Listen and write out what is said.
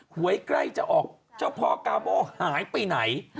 หวยใกล้จะออกเจ้าพ่อกาโบหายไปไหน